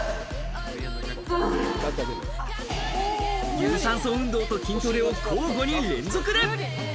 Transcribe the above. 有酸素運動と筋トレを交互に連続で。